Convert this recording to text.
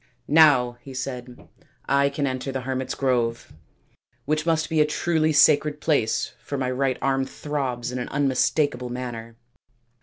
" Now," he said, " I can enter the hermits 5 grove, which must be a truly sacred place for my right arm throbs in an un mistakable manner."